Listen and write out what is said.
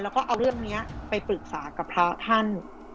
แล้วก็เอาเรื่องนี้ไปปรึกษากับพระท่าน